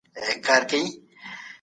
حقوقپوهانو به نوي تړونونه لاسلیک کول.